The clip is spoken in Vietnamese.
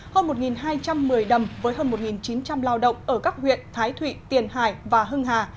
hơn một hai trăm một mươi đầm với hơn một chín trăm linh lao động ở các huyện thái thụy tiền hải và hưng hà